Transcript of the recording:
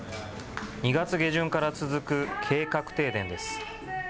２月下旬から続く計画停電です。